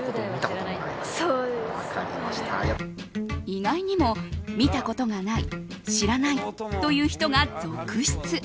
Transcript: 意外にも、見たことがない知らないという人が続出。